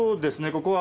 ここは。